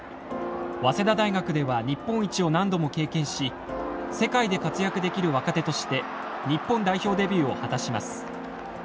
早稲田大学では日本一を何度も経験し世界で活躍できる若手として日本代表デビューを果たします。